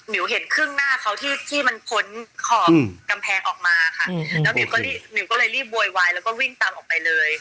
เห็นครึ่งหน้าเขาที่ที่มันพ้นขอบกำแพงออกมาค่ะแล้วมิวก็รีบหิวก็เลยรีบโวยวายแล้วก็วิ่งตามออกไปเลย